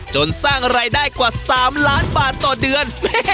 สร้างรายได้กว่า๓ล้านบาทต่อเดือน